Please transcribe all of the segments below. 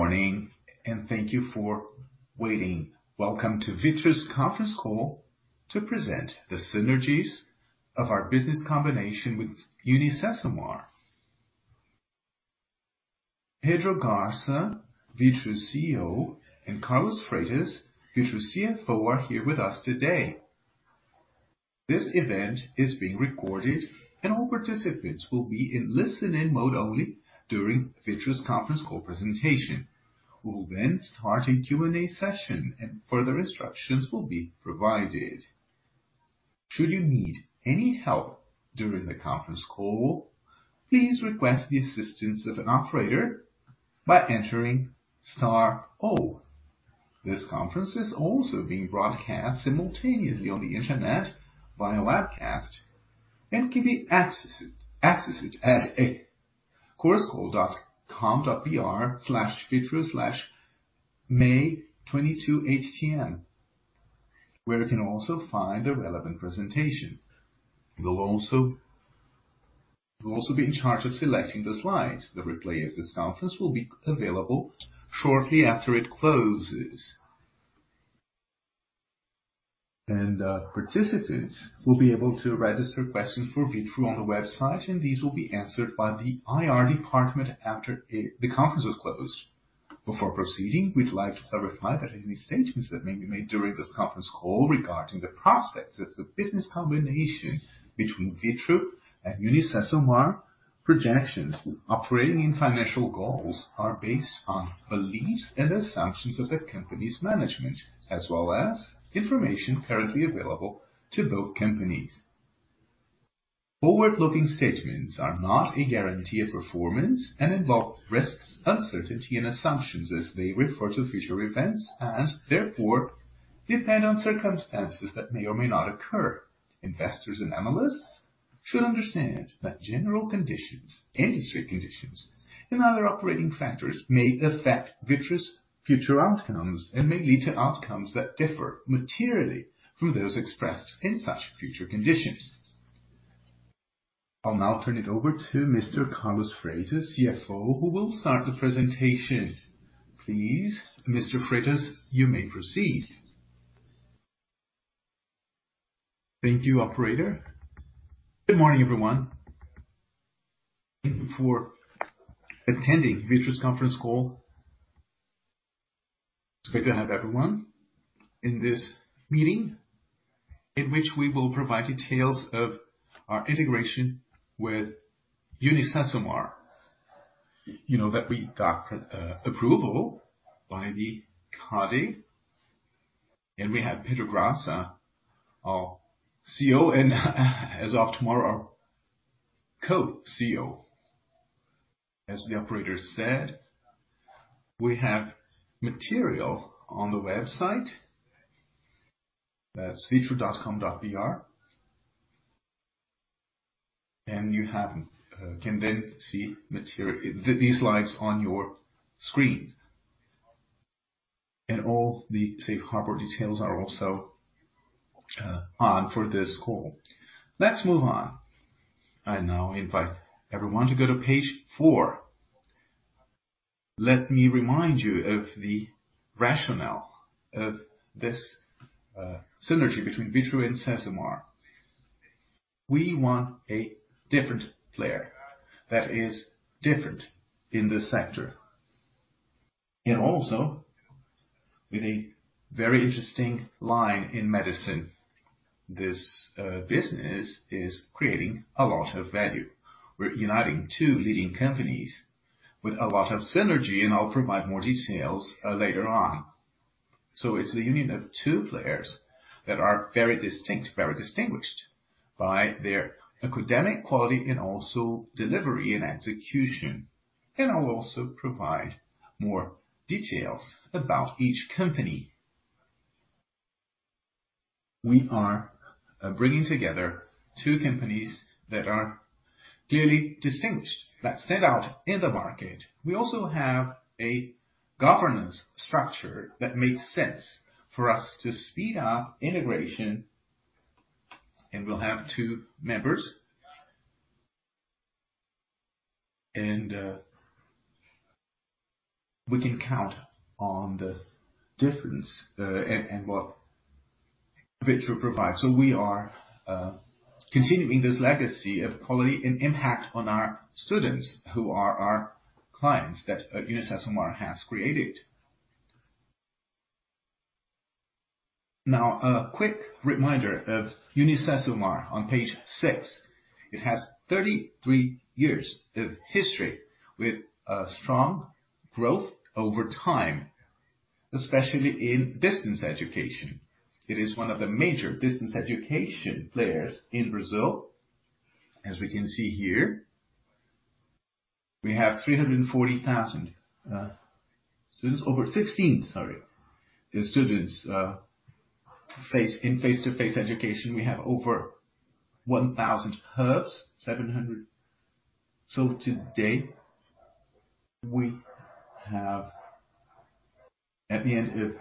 Good morning, and thank you for waiting. Welcome to Vitru's conference call to present the synergies of our business combination with UniCesumar. Pedro Graça, Vitru CEO, and Carlos Freitas, Vitru CFO, are here with us today. This event is being recorded and all participants will be in listen-in mode only during Vitru's conference call presentation. We'll then start a Q&A session and further instructions will be provided. Should you need any help during the conference call, please request the assistance of an operator by entering star O. This conference is also being broadcast simultaneously on the Internet via webcast and can be accessed at choruscall.com.br/vitru/may-22.htm, where you can also find the relevant presentation. You'll also be in charge of selecting the slides. The replay of this conference will be available shortly after it closes. Participants will be able to register questions for Vitru on the website, and these will be answered by the IR department after the conference is closed. Before proceeding, we'd like to clarify that any statements that may be made during this conference call regarding the prospects of the business combination between Vitru and UniCesumar, projections, operating and financial goals are based on beliefs and assumptions of the company's management, as well as information currently available to both companies. Forward-looking statements are not a guarantee of performance and involve risks, uncertainties and assumptions as they refer to future events and therefore depend on circumstances that may or may not occur. Investors and analysts should understand that general conditions, industry conditions and other operating factors may affect Vitru's future outcomes and may lead to outcomes that differ materially from those expressed in such forward-looking statements. I'll now turn it over to Mr. Carlos Freitas, CFO, who will start the presentation. Please, Mr. Freitas, you may proceed. Thank you operator. Good morning everyone thank you for attending Vitru's conference call. It's great to have everyone in this meeting in which we will provide details of our integration with UniCesumar. You know that we got approval by the CADE, and we have Pedro Graça, our CEO, and as of tomorrow, our co-CEO. As the operator said, we have material on the website. That's vitru.com.br. You can then see these slides on your screen. All the safe harbor details are also online for this call. Let's move on. I now invite everyone to go to page four. Let me remind you of the rationale of this synergy between Vitru and Cesumar. We want a different player that is different in this sector and also with a very interesting line in medicine. This business is creating a lot of value. We're uniting two leading companies with a lot of synergy, and I'll provide more details later on. It's the union of two players that are very distinct, very distinguished by their academic quality and also delivery and execution. I'll also provide more details about each company. We are bringing together two companies that are clearly distinguished, that stand out in the market. We also have a governance structure that makes sense for us to speed up integration, and we'll have two members. We can count on the difference, and what Vitru provides. We are continuing this legacy of quality and impact on our students who are our clients that UniCesumar has created. Now, a quick reminder of UniCesumar on page six. It has 33 years of history with strong growth over time, especially in distance education. It is one of the major distance education players in Brazil, as we can see here. We have 340,000 students in face-to-face education. We have over 1,000 hubs, 700. Today at the end of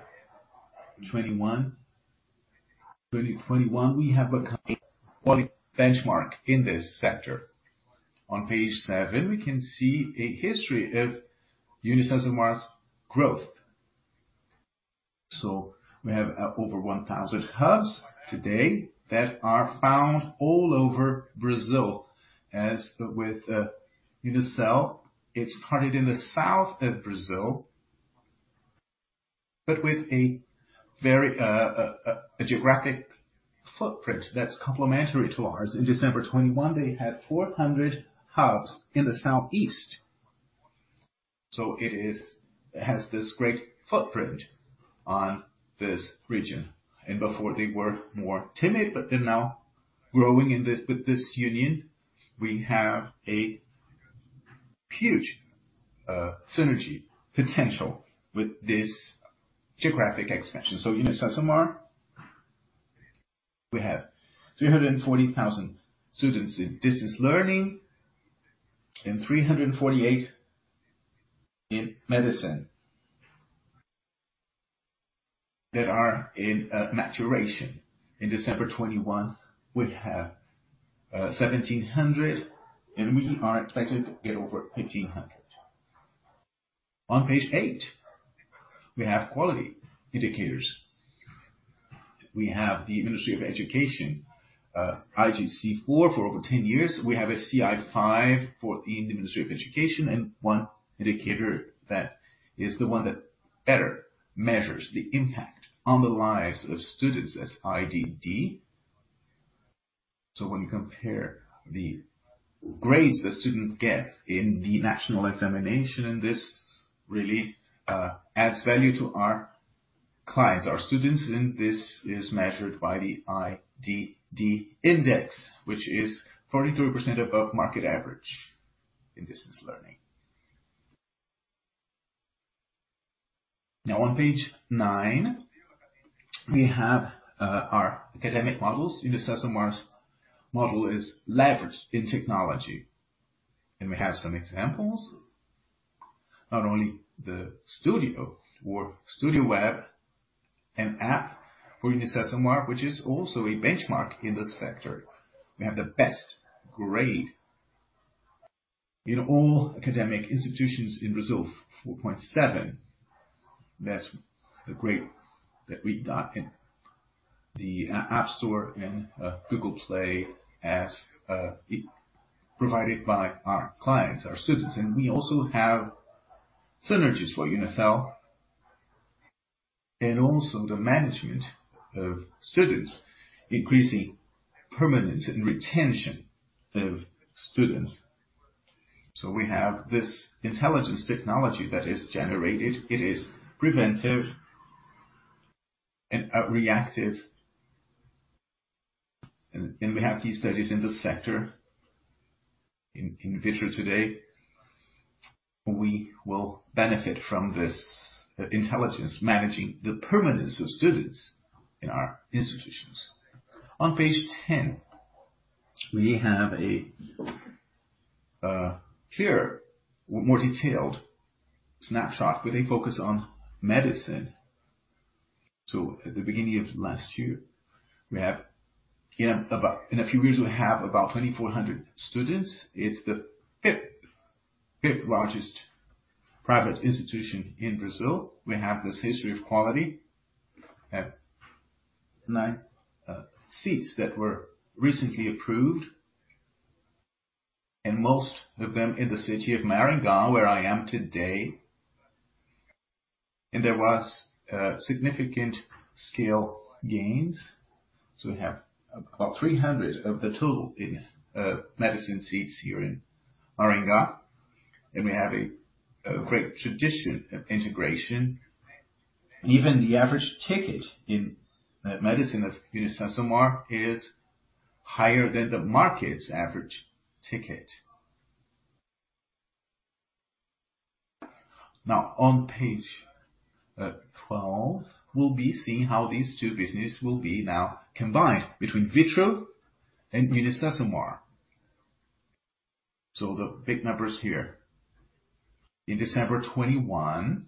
2021 we have become quality benchmark in this sector. On page seven, we can see a history of UniCesumar's growth. We have over 1,000 hubs today that are found all over Brazil. As with UNIASSELVI, it started in the south of Brazil, but with a very geographic footprint that's complementary to ours. In December 2021, they had 400 hubs in the southeast. It has this great footprint on this region. Before they were more timid, but they're now growing with this union. We have a huge synergy potential with this geographic expansion. UniCesumar, we have 340,000 students in distance learning and 348 in medicine that are in matriculation. In December 2021, we have 1,700, and we are expected to get over 1,800. On page eight, we have quality indicators. We have the Ministry of Education IGC 4 for over 10 years. We have an IGC 5 from the Ministry of Education and one indicator that is the one that better measures the impact on the lives of students as IDD. When you compare the grades the student gets in the national examination, this really adds value to our clients, our students, and this is measured by the IDD index, which is 43% above market average in distance learning. Now on page nine, we have our academic models. UniCesumar's model is leveraged in technology. We have some examples, not only the studio or studio web and app for UniCesumar, which is also a benchmark in the sector. We have the best grade in all academic institutions in Brazil, 4.7. That's the grade that we got in the App Store and Google Play as provided by our clients, our students. We also have synergies for UNIASSELVI and also the management of students increasing permanence and retention of students. We have this intelligence technology that is generated. It is preventive and reactive. We have case studies in the sector in Vitru today. We will benefit from this intelligence managing the permanence of students in our institutions. On page 10, we have a clear, more detailed snapshot with a focus on medicine. At the beginning of last year, we have. In a few years, we'll have about 2,400 students. It's the fifth largest private institution in Brazil. We have this history of quality. We have nine seats that were recently approved and most of them in the city of Maringá, where I am today. There was significant scale gains. We have about 300 of the total in medicine seats here in Maringá. We have a great tradition of integration. Even the average ticket in medicine of UniCesumar is higher than the market's average ticket. Now on page 12, we'll be seeing how these two businesses will be now combined between Vitru and UniCesumar. The big numbers here. In December 2021,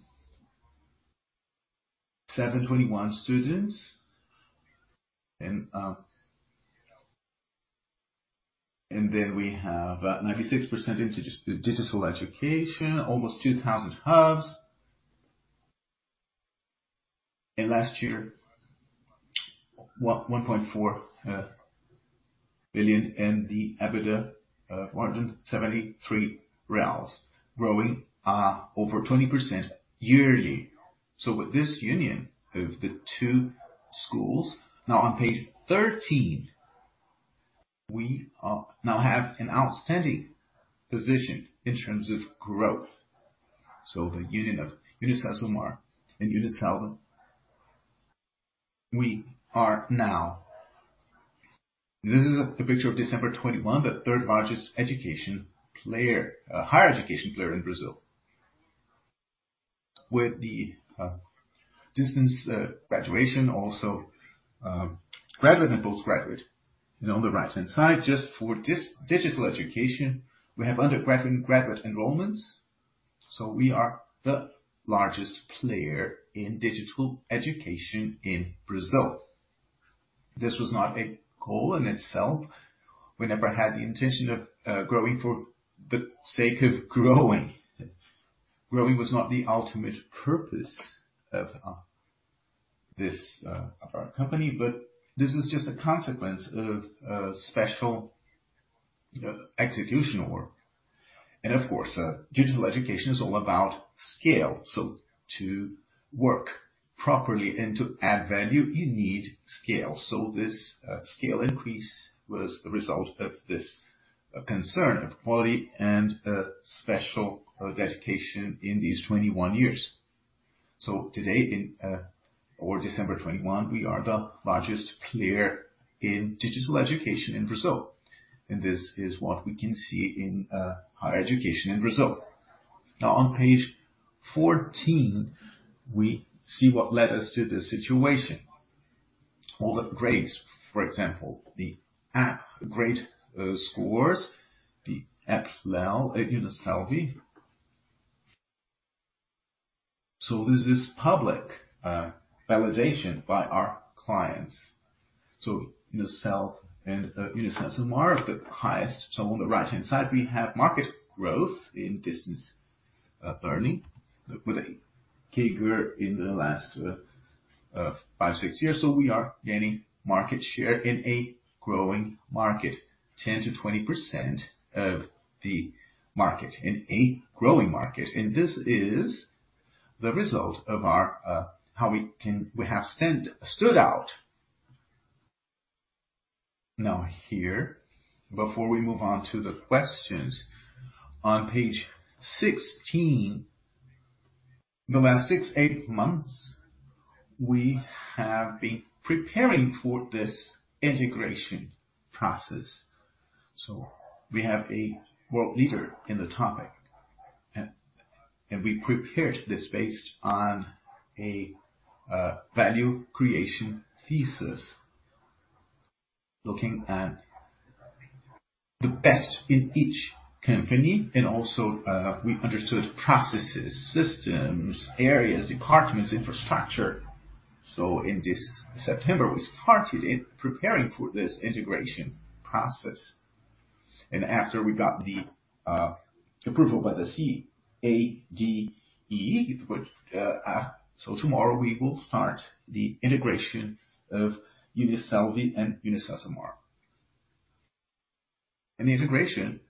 721 students and then we have 96% into just the digital education, almost 2,000 hubs. Last year, 1.4 billion in the EBITDA, 473 reais, growing over 20% yearly. With this union of the two schools, now on page 13, we now have an outstanding position in terms of growth. The union of UniCesumar and UNIASSELVI, we are now. This is a picture as of December 2021, the third largest education player, higher education player in Brazil with the distance graduation, also graduate and postgraduate. On the right-hand side, just for digital education, we have undergraduate and graduate enrollments. We are the largest player in digital education in Brazil. This was not a goal in itself. We never had the intention of growing for the sake of growing. Growing was not the ultimate purpose of our company, but this is just a consequence of a special executional work. Of course, digital education is all about scale. To work properly and to add value, you need scale. This scale increase was the result of this concern of quality and special dedication in these 21 years. Today in December 2021, we are the largest player in digital education in Brazil. This is what we can see in higher education in Brazil. Now on page 14, we see what led us to this situation. All the grades, for example, the App Store grade scores, the app level at UNIASSELVI. This is public validation by our clients. UNIASSELVI and UniCesumar are the highest. On the right-hand side, we have market growth in distance learning with a CAGR in the last five, six years. We are gaining market share in a growing market, 10%-20% of the market in a growing market. This is the result of our how we have stood out. Now here, before we move on to the questions, on page 16, the last six, eight months, we have been preparing for this integration process. We have a world leader in the topic. We prepared this based on a value creation thesis. Looking at the best in each company, and also, we understood processes, systems, areas, departments, infrastructure. In this September, we started preparing for this integration process. After we got the approval by the CADE. Tomorrow we will start the integration of UNIASSELVI and UniCesumar. The integration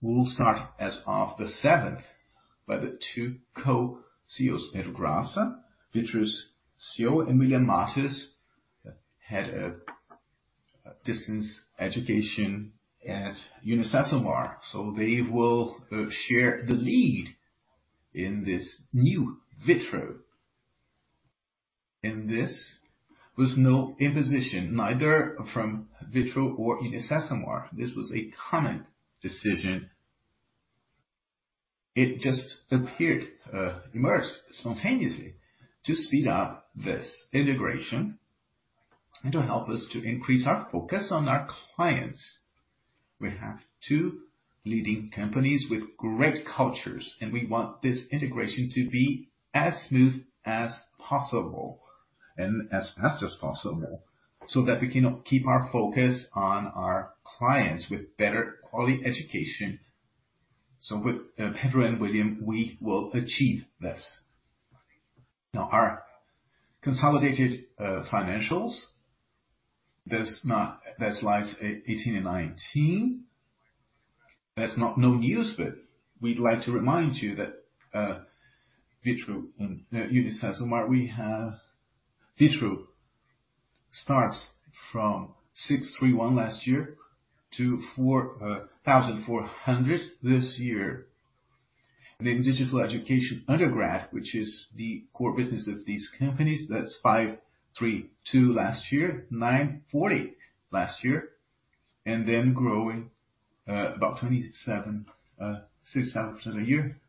will start as of the 7th by the two co-CEOs Pedro Graça and CEO William Matos, head of distance education at UniCesumar. They will share the lead in this new Vitru. This was no imposition, neither from Vitru or UniCesumar. This was a common decision. It just emerged spontaneously to speed up this integration and to help us to increase our focus on our clients. We have two leading companies with great cultures, and we want this integration to be as smooth as possible and as fast as possible, so that we can keep our focus on our clients with better quality education. With Pedro and William, we will achieve this. Now, our consolidated financials, there's slides 18 and 19. There's no news, but we'd like to remind you that, Vitru and UniCesumar, Vitru starts from 631 last year to 4,400 this year. In digital education undergrad, which is the core business of these companies, that's 532 last year, 940 last year, and then growing about 27.67% a year.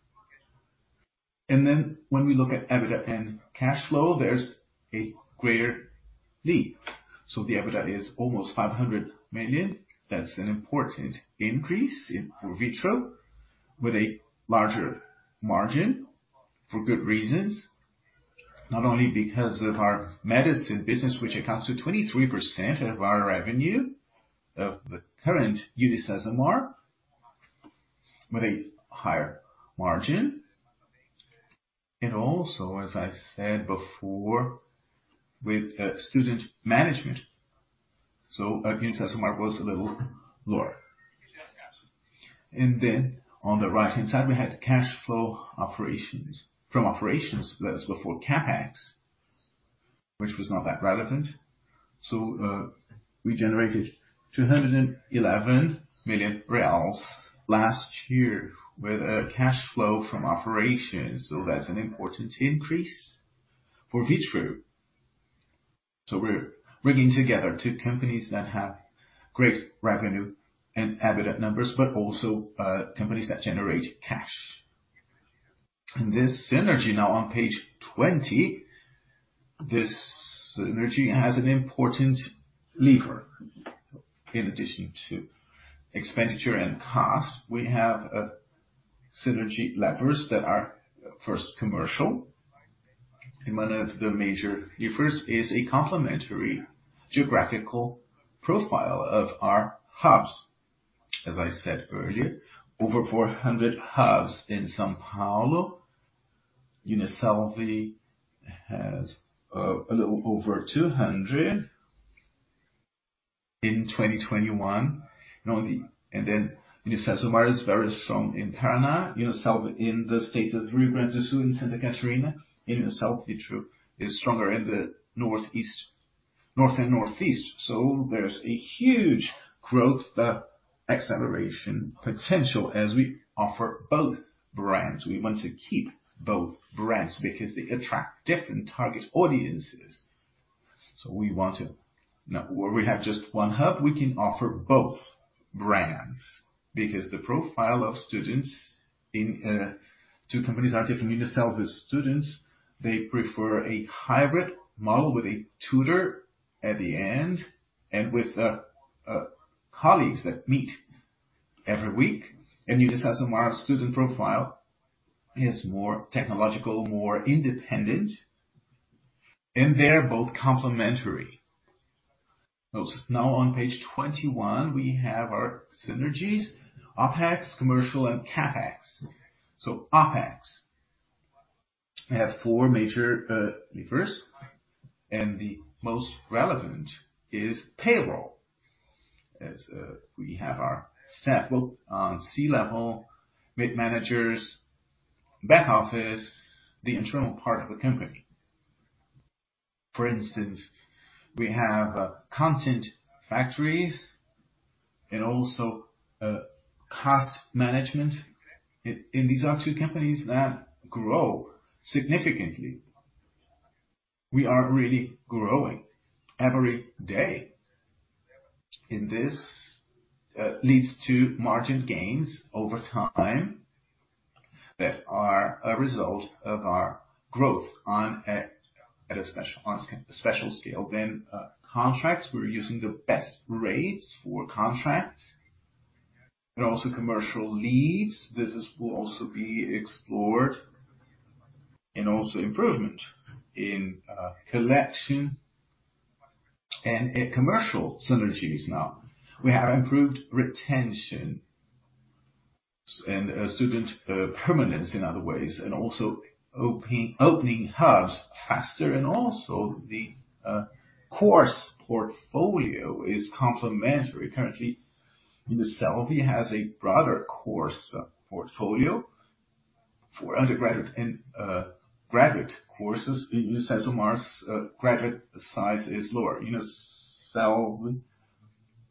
When we look at EBITDA and cash flow, there's a greater leap. The EBITDA is almost 500 million. That's an important increase in Vitru with a larger margin for good reasons, not only because of our medicine business, which accounts for 23% of our revenue of the current UniCesumar with a higher margin, and also, as I said before, with student management. UniCesumar was a little lower. On the right-hand side, we had cash flow from operations. That's before CapEx, which was not that relevant. We generated 211 million reais last year with a cash flow from operations. That's an important increase for Vitru. We're bringing together two companies that have great revenue and EBITDA numbers, but also, companies that generate cash. This synergy now on page 20. This synergy has an important lever. In addition to expenditure and cost, we have synergy levers that are first commercial. One of the major levers is a complementary geographical profile of our hubs. As I said earlier, over 400 hubs in São Paulo. UNIASSELVI has a little over 200 in 2021. UniCesumar is very strong in Paraná. UNIASSELVI in the states of Rio Grande do Sul and Santa Catarina. UniCesumar is stronger in the northeast, north and northeast. There's a huge growth acceleration potential as we offer both brands. We want to keep both brands because they attract different target audiences. We want to... Where we have just one hub, we can offer both brands because the profile of students in two companies are different. UNIASSELVI students, they prefer a hybrid model with a tutor at the end and with colleagues that meet every week. UniCesumar student profile is more technological, more independent, and they are both complementary. Now on page 21, we have our synergies, OpEx, commercial, and CapEx. OpEx. We have four major levers, and the most relevant is payroll. As we have our staff both on C-level, mid-managers, back office, the internal part of the company. For instance, we have content factories and also cost management in these two companies that grow significantly. We are really growing every day. This leads to margin gains over time that are a result of our growth on a special scale. contracts, we're using the best rates for contracts and also commercial leads. This will also be explored and also improvement in collection and in commercial synergies now. We have improved retention and student permanence in other ways, and opening hubs faster. The course portfolio is complementary. Currently, UNIASSELVI has a broader course portfolio for undergraduate and graduate courses. In UniCesumar's graduate size is lower. UNIASSELVI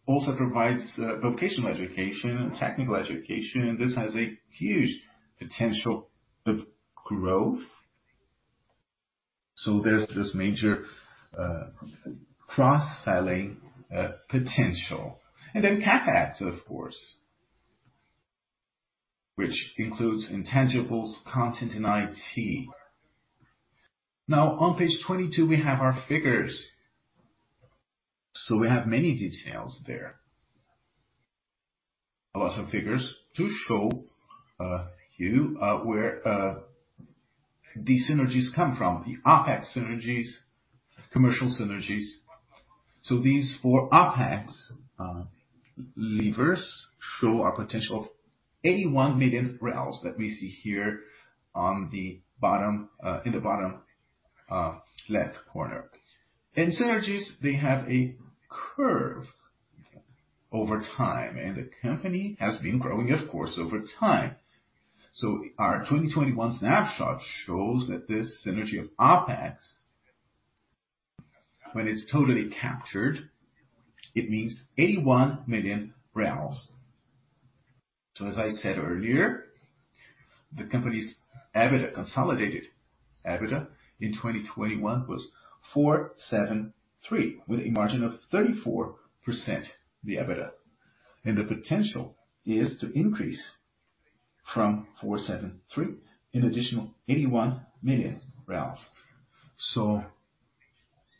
also provides vocational education and technical education, and this has a huge potential of growth. There's this major cross-selling potential. CapEx, of course, which includes intangibles, content, and IT. Now on page 22, we have our figures. We have many details there. A lot of figures to show you where these synergies come from, the OpEx synergies, commercial synergies. These four OpEx levers show our potential of 81 million reais that we see here on the bottom, in the bottom, left corner. In synergies, they have a curve over time, and the company has been growing, of course, over time. Our 2021 snapshot shows that this synergy of OpEx, when it's totally captured, it means 81 million reais. As I said earlier, the company's EBITDA, consolidated EBITDA in 2021 was 473 million with a margin of 34% the EBITDA. The potential is to increase from 473 million an additional 81 million.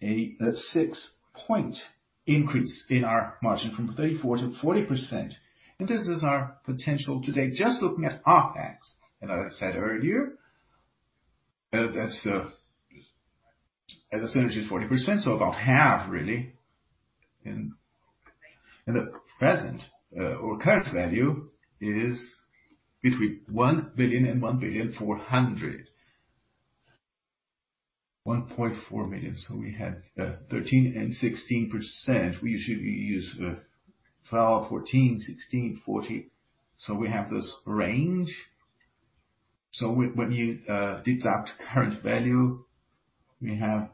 A six-point increase in our margin from 34% to 40%. This is our potential today just looking at OpEx. As I said earlier, that's as a synergy 40%, so about half really. The present or current value is between 1 billion and 1.4 billion. We have 13% and 16%. We usually use 12, 14, 16, 40. We have this range. When you deduct current value, we have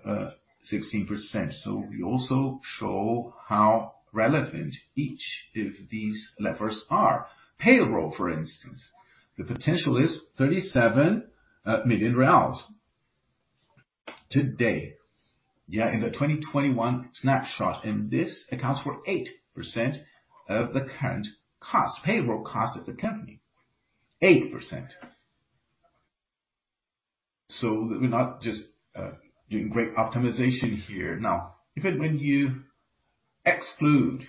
16%. We also show how relevant each of these levers are. Payroll, for instance, the potential is 37 million reais today. In the 2021 snapshot, and this accounts for 8% of the current cost, payroll cost of the company. 8%. We're not just doing great optimization here. Now, even when you exclude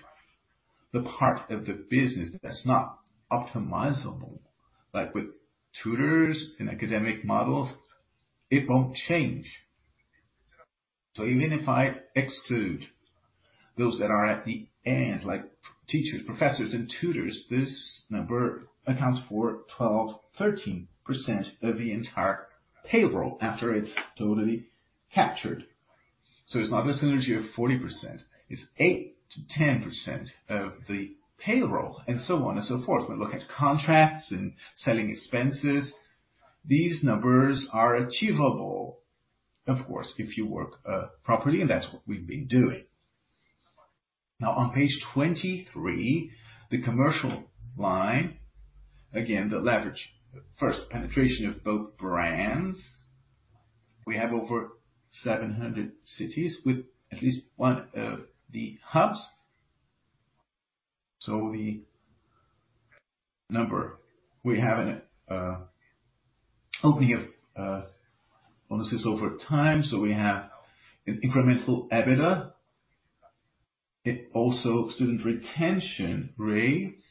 the part of the business that's not optimizable, like with tutors and academic models, it won't change. Even if I exclude those that are at the ends, like teachers, professors and tutors, this number accounts for 12%-13% of the entire payroll after it's totally captured. It's not a synergy of 40%, it's 8%-10% of the payroll and so on and so forth. When looking at contracts and selling expenses, these numbers are achievable, of course, if you work properly, and that's what we've been doing. Now on page 23, the commercial line. Again, the leverage. First penetration of both brands. We have over 700 cities with at least one of the hubs. The number we have in it, opening of, offices over time. We have an incremental EBITDA. It also student retention rates.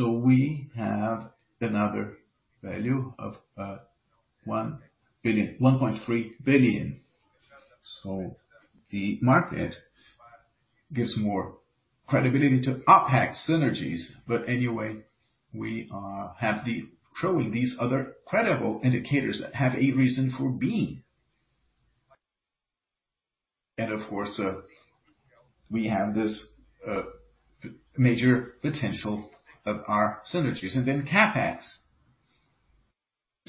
We have another value of 1 billion-1.3 billion. The market gives more credibility to OpEx synergies. Anyway, we are showing these other credible indicators that have a reason for being. Of course, we have this major potential of our synergies. Then CapEx, 60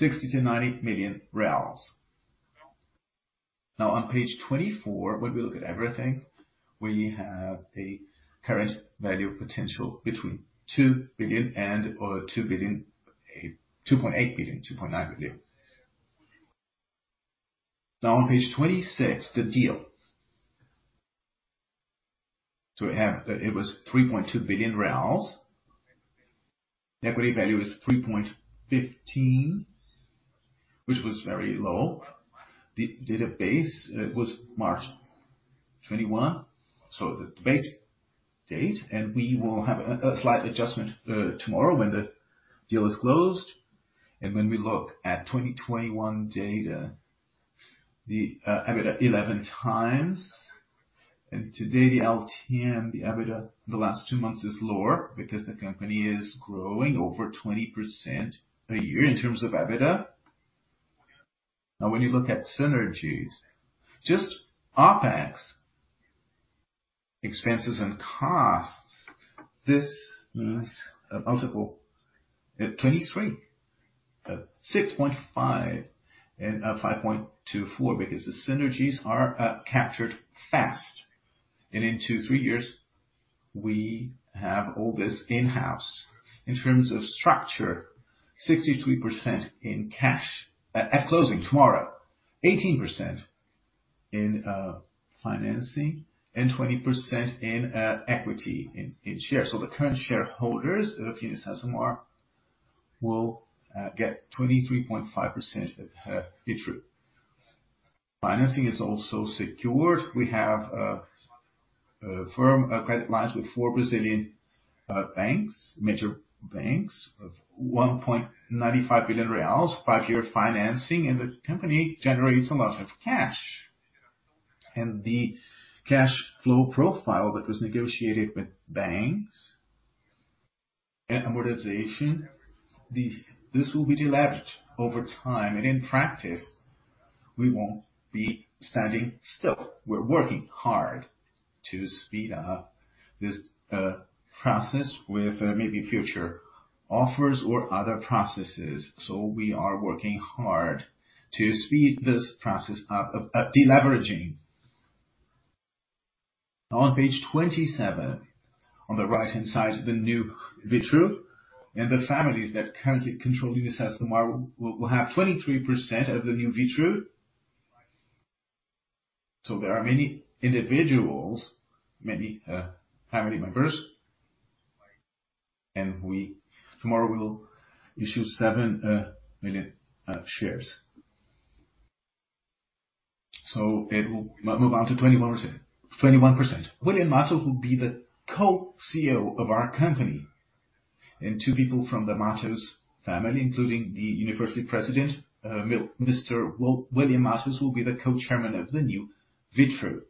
million-90 million reais. Now on page 24, when we look at everything, we have a current value potential between 2 billion and/or 2 billion, 2.8 billion, 2.9 billion. Now on page 26, the deal. It was 3.2 billion reais. Equity value is 3.15 billion, which was very low. The base date was March 2021, so the base date, and we will have a slight adjustment tomorrow when the deal is closed. When we look at 2021 data, the EBITDA 11x. Today, the LTM EBITDA the last two months is lower because the company is growing over 20% a year in terms of EBITDA. When you look at synergies, just OpEx expenses and costs, this means a multiple at 23x, 6.5x and 5.24x, because the synergies are captured fast. In two to three years, we have all this in-house. In terms of structure, 63% in cash at closing tomorrow, 18% in financing and 20% in equity in shares. The current shareholders of UniCesumar will get 23.5% of Vitru. Financing is also secured. We have a firm credit lines with four Brazilian banks, major banks of 1.95 billion reais, five-year financing, and the company generates a lot of cash. The cash flow profile that was negotiated with banks and amortization. This will be deleveraged over time. In practice, we won't be standing still. We're working hard to speed up this process with maybe future offers or other processes. We are working hard to speed this process up of deleveraging. On page 27, on the right-hand side, the new Vitru and the families that currently control UniCesumar will have 23% of the new Vitru. There are many individuals, many family members, and tomorrow we'll issue seven million shares. It will move on to 21%, 21%. William Matos will be the co-CEO of our company. Two people from the Matos family, including the university president, Minister William Matos, will be the co-chairman of the new Vitru.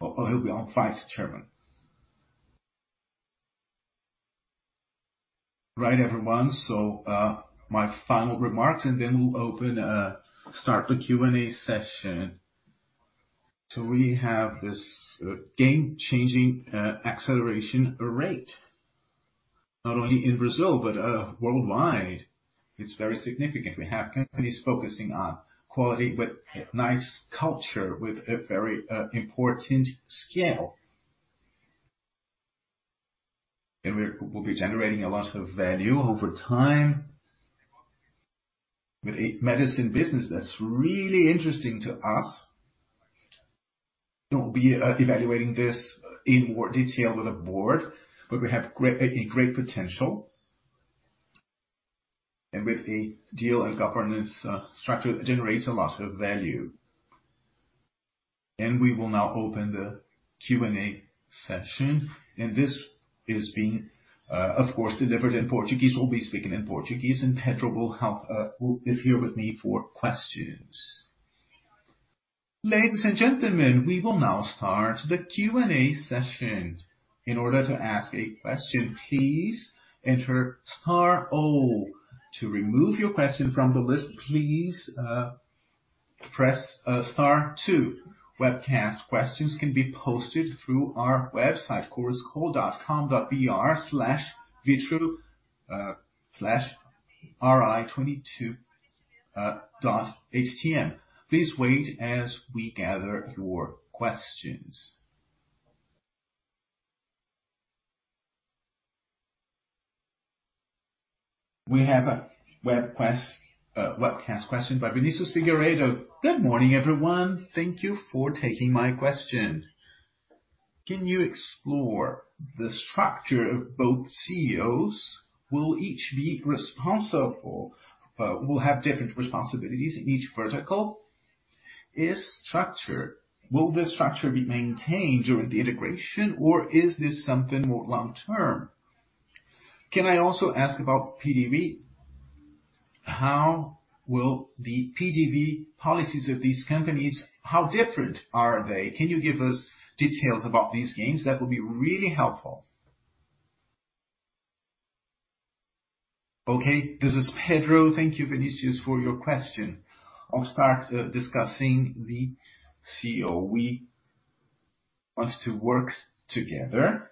Or he'll be our vice chairman. Right, everyone. My final remarks, and then we'll open, start the Q&A session. We have this game-changing acceleration rate, not only in Brazil, but worldwide. It's very significant. We have companies focusing on quality with a nice culture, with a very important scale. We'll be generating a lot of value over time. With a medicine business that's really interesting to us. We'll be evaluating this in more detail with the board, but we have a great potential and with a deal and governance structure that generates a lot of value. We will now open the Q&A session. This is being, of course, delivered in Portuguese. We'll be speaking in Portuguese, and Pedro will help, is here with me for questions. Ladies and gentlemen, we will now start the Q&A session. In order to ask a question, please enter star O. To remove your question from the list, please, press, star two. Webcast questions can be posted through our website, choruscall.com.br/vitru/ri22, .htm. Please wait as we gather your questions. We have a webcast question by Vinicius Figueiredo. Good morning everyone. Thank you for taking my question. Can you explore the structure of both CEOs? Will each have different responsibilities in each vertical? Will this structure be maintained during the integration, or is this something more long-term? Can I also ask about PDV? How will the PDV policies of these companies, how different are they? Can you give us details about these gains? That would be really helpful. Okay, this is Pedro Graça. Thank you Vinicius Figueiredo, for your question. I'll start discussing the CEO. We want to work together,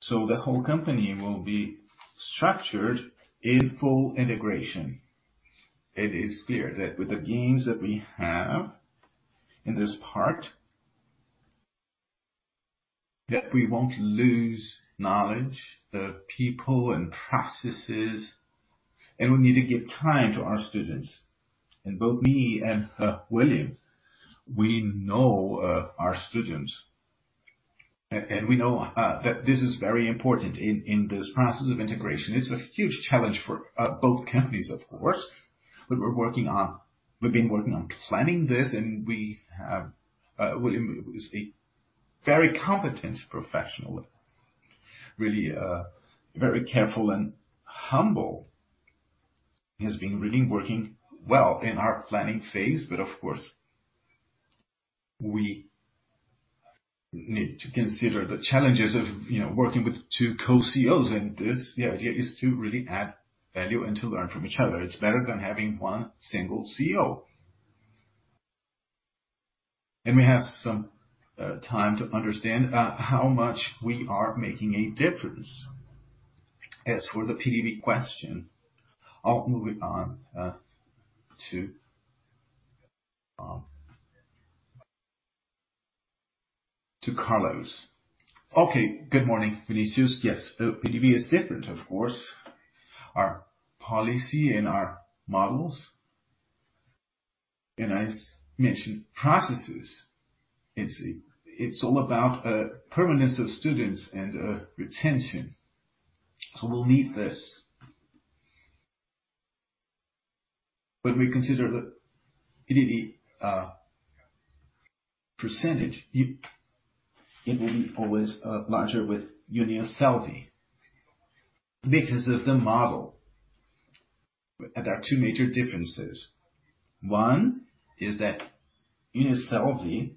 so the whole company will be structured in full integration. It is clear that with the gains that we have in this part, that we won't lose knowledge of people and processes, and we need to give time to our students. Both me and William Matos, we know our students. We know that this is very important in this process of integration. It's a huge challenge for both companies, of course, but we've been working on planning this. William Matos is a very competent professional, really very careful and humble. He has been really working well in our planning phase, but of course, we need to consider the challenges of, you know, working with two co-CEOs. This, the idea is to really add value and to learn from each other. It's better than having one single CEO. We have some time to understand how much we are making a difference. As for the PDV question, I'll move it on to Carlos. Okay. Good morning, Vinicius. Yes. PDV is different, of course. Our policy and our models, and as mentioned, processes, it's all about permanence of students and retention. So we'll need this. When we consider the PDV percentage, it will be always larger with UNIASSELVI because of the model. There are two major differences. One is that UNIASSELVI,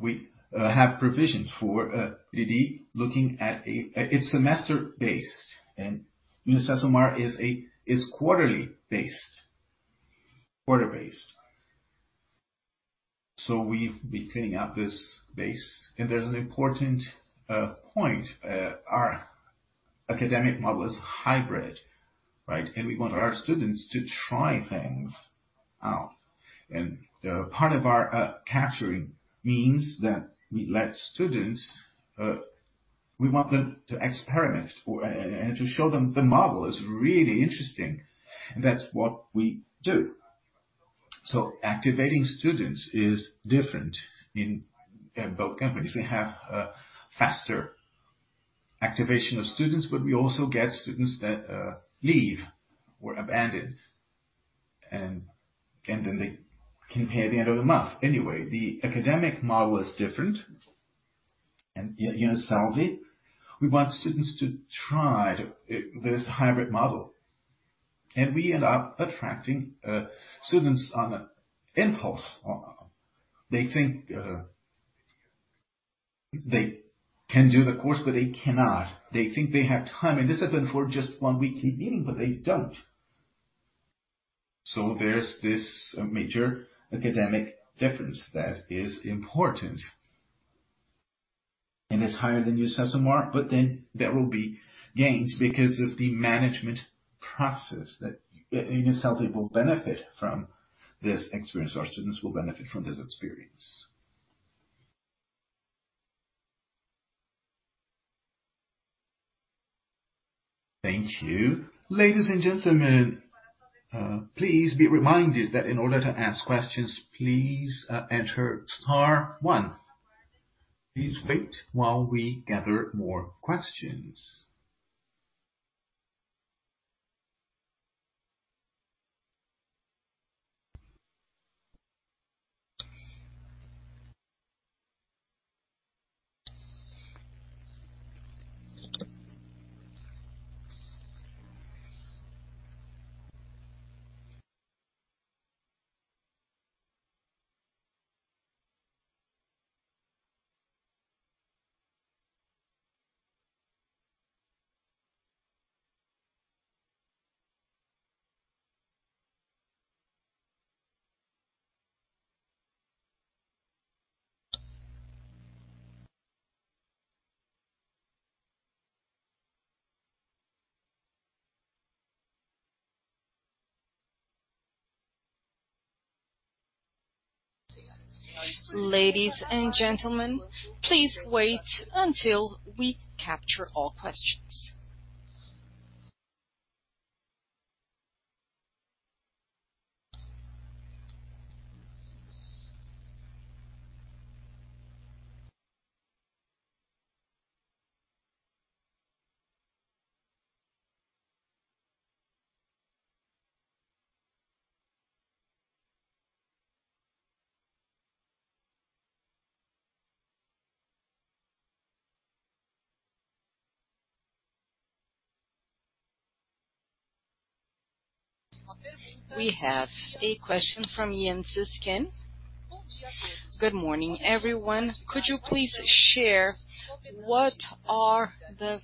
we have provisions for PDV. It's semester-based, and UniCesumar is quarterly-based. We've been cleaning up this base. There's an important point. Our academic model is hybrid, right? We want our students to try things out. Part of our capturing means that we let students. We want them to experiment and to show them the model is really interesting. That's what we do. Activating students is different in both companies. We have a faster activation of students, but we also get students that leave or abandon, and then they can pay at the end of the month. Anyway, the academic model is different. In UNIASSELVI, we want students to try this hybrid model. We end up attracting students on an impulse. They think they can do the course, but they cannot. They think they have time and discipline for just one weekly meeting, but they don't. There's this major academic difference that is important. It's higher than UNIASSELVI, but then there will be gains because of the management process that UNIASSELVI will benefit from this experience, or students will benefit from this experience. Thank you. Ladies and gentlemen, please be reminded that in order to ask questions, please enter star one. Please wait while we gather more questions. Ladies and gentlemen, please wait until we capture all questions. We have a question from Ian Susin. Good morning everyone. Could you please share what are the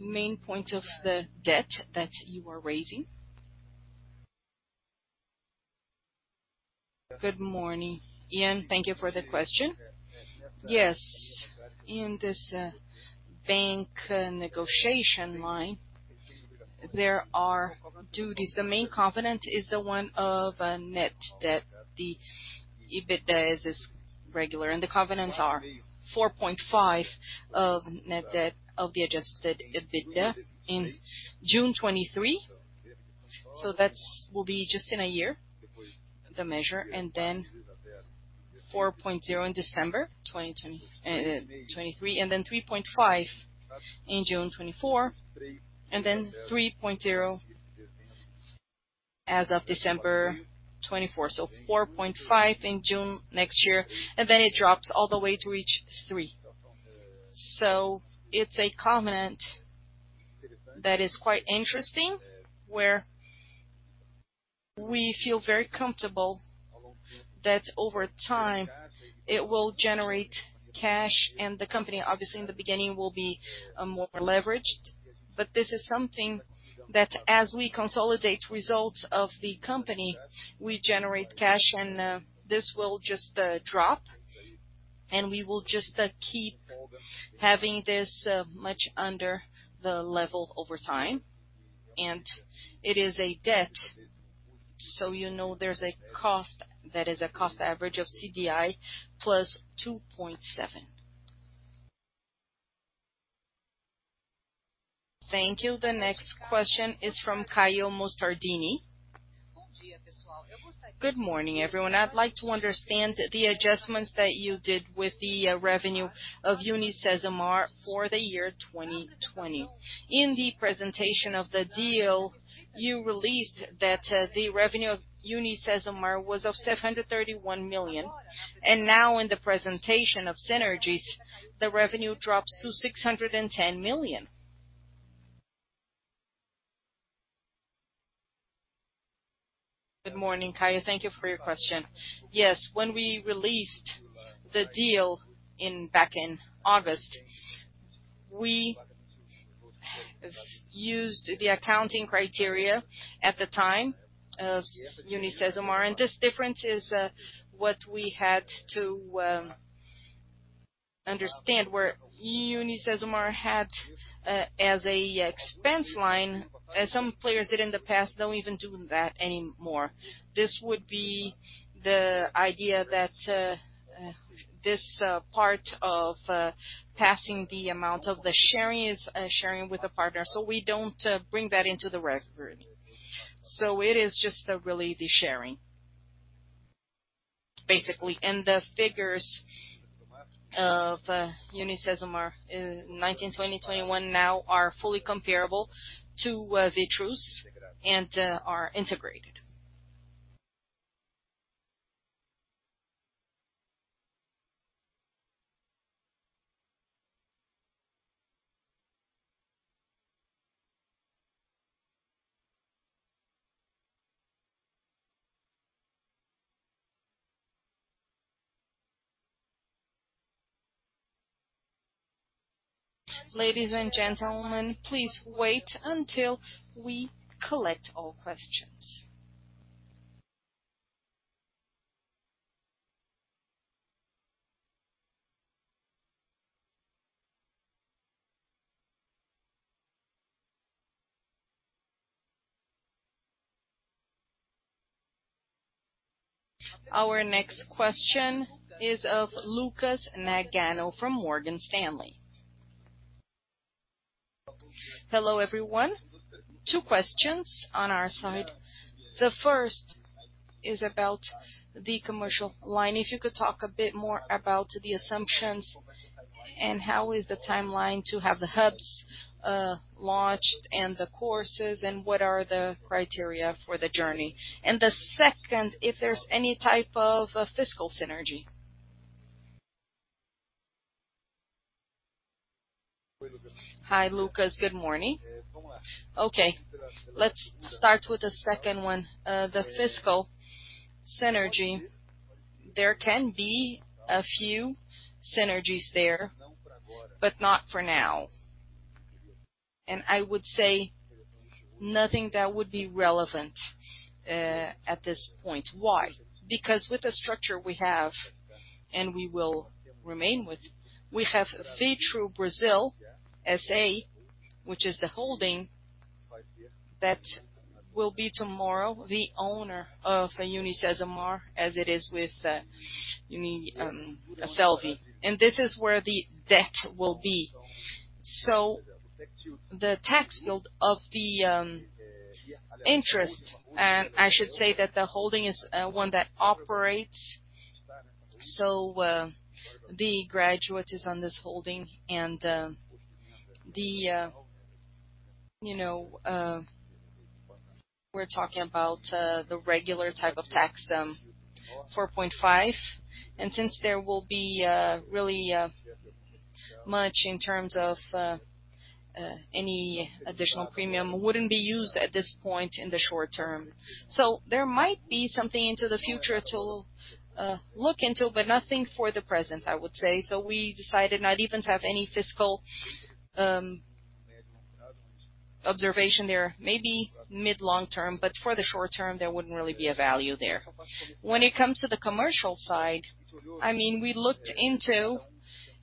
main points of the debt that you are raising? Good morning, Ian. Thank you for the question. Yes. In this bank negotiation line, there are duties. The main covenant is the one of net debt. The EBITDA is as regular, and the covenants are 4.5 of net debt of the Adjusted EBITDA in June 2023. So that will be just in a year, the measure. 4.0 in December 2023. 3.5 in June 2024. 3.0 as of December 2024. So 4.5 in June next year, and then it drops all the way to reach 3. It's a covenant that is quite interesting, where we feel very comfortable that over time it will generate cash. The company, obviously, in the beginning will be more leveraged. This is something that as we consolidate results of the company, we generate cash and this will just drop. We will just keep having this much under the level over time. It is a debt, so you know, there's a cost that is a cost average of CDI plus 2.7. Thank you. The next question is from Caio Mostardini. Good morning everyone. I'd like to understand the adjustments that you did with the revenue of UniCesumar for the year 2020. In the presentation of the deal, you released that the revenue of UniCesumar was 731 million. Now in the presentation of synergies, the revenue drops to 610 million. Good morning Caio. Thank you for your question. Yes. When we released the deal back in August, we used the accounting criteria at the time of UniCesumar. This difference is what we had to understand where UniCesumar had as an expense line, as some players did in the past, don't even do that anymore. This would be the idea that this part of passing the amount of the sharing is sharing with a partner. We don't bring that into the record. It is just really the sharing, basically. The figures of UniCesumar in 2019, 2020, 2021 now are fully comparable to Vitru's and are integrated. Ladies and gentlemen, please wait until we collect all questions. Our next question is of Lucas Nagano from Morgan Stanley. Hello, everyone. Two questions on our side. The first is about the commercial line. If you could talk a bit more about the assumptions and how is the timeline to have the hubs launched and the courses, and what are the criteria for the journey? The second, if there's any type of fiscal synergy. Hi, Lucas. Good morning. Okay. Let's start with the second one. The fiscal synergy. There can be a few synergies there, but not for now. I would say nothing that would be relevant at this point. Why? Because with the structure we have, and we will remain with, we have Vitru Brasil S.A., which is the holding that will be tomorrow the owner of UniCesumar, as it is with UNIASSELVI. This is where the debt will be. The tax shield of the interest, I should say that the holding is one that operates. The leverage is on this holding and, you know, we're talking about the regular type of tax, 4.5%. Since there will be really much in terms of any additional premium wouldn't be used at this point in the short term. There might be something into the future to look into, but nothing for the present, I would say. We decided not even to have any fiscal observation there. Maybe mid-long term, but for the short term, there wouldn't really be a value there. When it comes to the commercial side, I mean, we looked into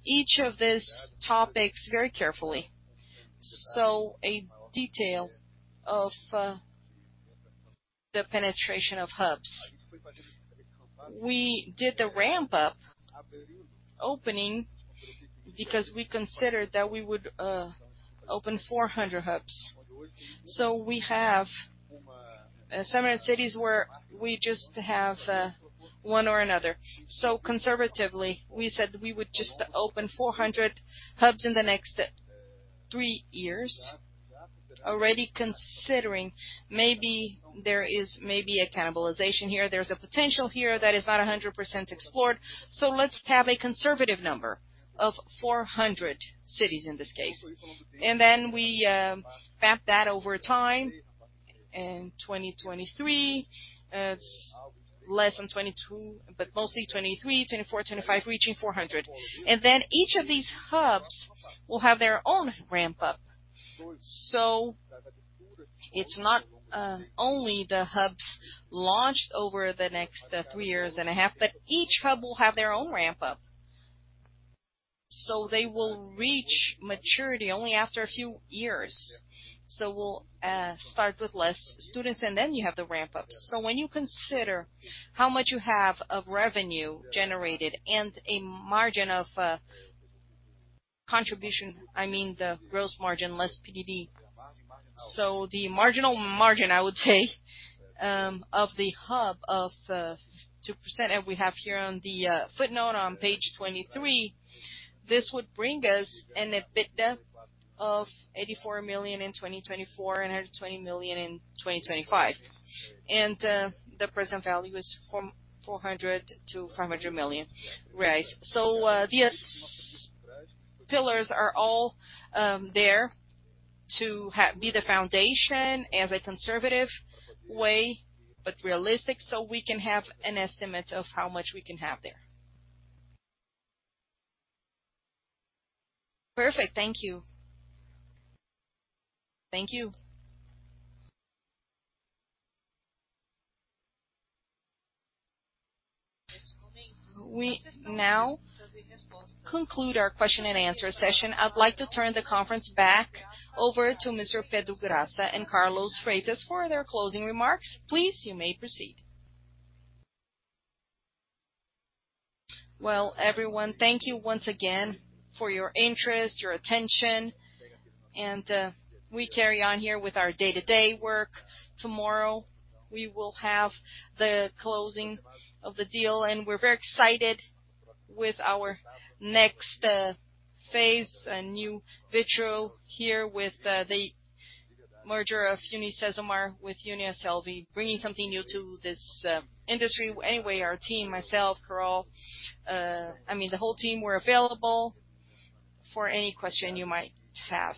each of these topics very carefully. A detail of the penetration of hubs. We did the ramp up opening because we considered that we would open 400 hubs. We have some cities where we just have one or another. Conservatively, we said we would just open 400 hubs in the next three years. Already considering maybe there is a cannibalization here. There's a potential here that is not 100% explored. Let's have a conservative number of 400 cities in this case. We map that over time in 2023. It's less than 22, but mostly 23, 24, 25, reaching 400. Each of these hubs will have their own ramp up. It's not only the hubs launched over the next three years and a half, but each hub will have their own ramp up. They will reach maturity only after a few years. We'll start with less students, and then you have the ramp up. When you consider how much you have of revenue generated and a margin of contribution, I mean, the gross margin less PDV. The marginal margin, I would say, of the hub of 2%, and we have here on the footnote on page 23. This would bring us an EBITDA of 84 million in 2024 and 120 million in 2025. The present value is 400 million-500 million, right? These pillars are all there to be the foundation as a conservative way, but realistic, so we can have an estimate of how much we can have there. Perfect. Thank you. Thank you. We now conclude our question and answer session. I'd like to turn the conference back over to Mr. Pedro Graça and Carlos Freitas for their closing remarks. Please, you may proceed. Well, everyone thank you once again for your interest, your attention. We carry on here with our day-to-day work. Tomorrow, we will have the closing of the deal, and we're very excited with our next phase, a new Vitru here with the merger of UniCesumar with UNIASSELVI, bringing something new to this industry. Anyway, our team, myself, Carlos Freitas, I mean, the whole team, we're available for any question you might have.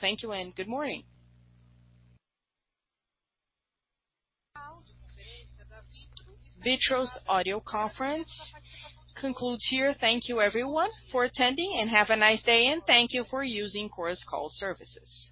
Thank you and good morning. Vitru's audio conference concludes here. Thank you, everyone, for attending, and have a nice day, and thank you for using Chorus Call services.